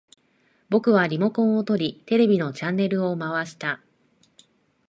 僕はリモコンを取り、テレビのチャンネルを回した